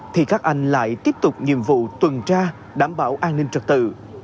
thì các anh lại tiếp tục nhiệm vụ tuần tra đảm bảo an ninh trật tự